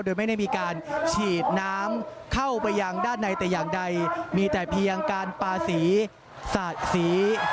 โดยไม่ได้มีการฉีดน้ำเข้าไปยังด้านในแต่อย่างใดมีแต่เพียงการปาสีสาดสี